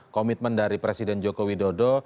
komitmen dari presiden joko widodo